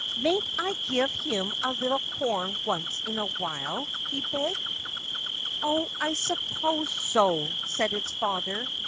"Mayn't I give him a little corn once in a while?" he begged. "Oh, I suppose so," said his father.